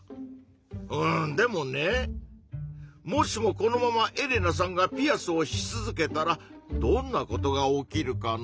うんでもねもしもこのままエレナさんがピアスをし続けたらどんなことが起きるかな？